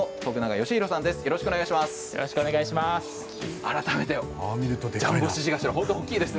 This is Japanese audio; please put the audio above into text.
よろしくお願いします。